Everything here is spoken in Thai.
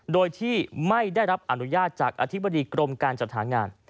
โดยที่ไม่ได้รับอนุญาตจากอธิบดีกรมการจัดหางาน